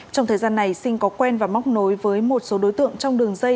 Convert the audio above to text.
trong thời gian này sinh có quen và móc nối với một số đối tượng trong đường dây